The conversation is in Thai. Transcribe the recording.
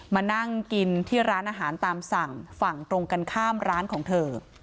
มานั่งกินที่ร้านอาหารตามสั่งฝั่งตรงกันข้ามร้านของเธอ